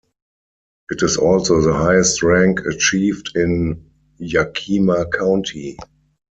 It is also the highest rank achieved in Yakima County.